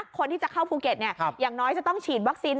คนที่จะเข้าภูเก็ตอย่างน้อยจะต้องฉีดวัคซีน